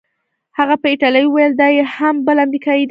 هغه په ایټالوي وویل: دا یې هم یو بل امریکايي دی.